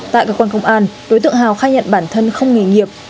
tại cơ quan công an đối tượng hào khai nhận bản thân không nghề nghiệp